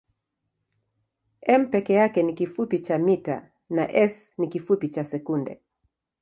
m peke yake ni kifupi cha mita na s ni kifupi cha sekunde.